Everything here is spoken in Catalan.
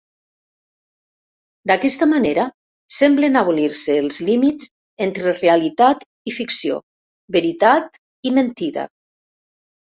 D'aquesta manera semblen abolir-se els límits entre realitat i ficció, veritat i mentida.